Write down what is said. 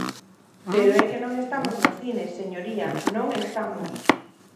Pero é que non estamos no cine, señoría, non estamos.